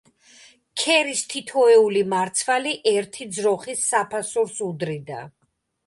ქერის თითოეული მარცვალი ერთი ძროხის საფასურს უდრიდა.